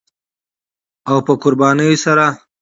او په قربانیو سره